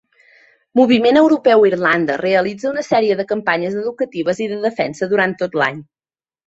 Moviment Europeu Irlanda realitza una sèrie de campanyes educatives i de defensa durant tot l'any.